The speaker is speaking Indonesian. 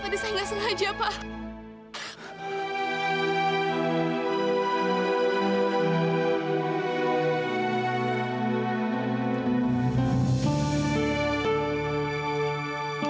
tapi saya nggak sengaja pak